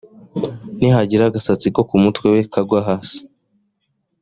nihagira agasatsi ko ku mutwe we kagwa hasi